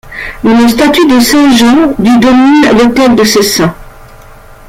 Une statue de saint Jean du domine l'autel de ce saint.